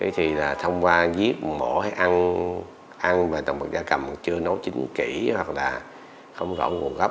thì là thông qua giết mổ hay ăn ăn và động vật da cầm chưa nấu chín kỹ hoặc là không rõ nguồn gốc